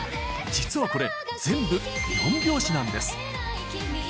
実はこれ全部４拍子なんです。